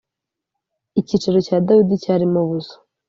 icyicaro cya Dawidi cyarimo ubusa.